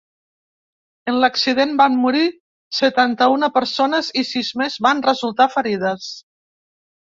En l’accident van morir setanta-una persones i sis més van resultar ferides.